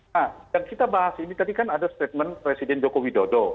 nah ini kita bahas ini tadi kan ada statement presiden jokowi dodo